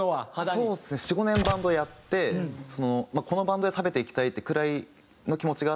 そうですね４５年バンドをやってこのバンドで食べていきたいってくらいの気持ちがあって。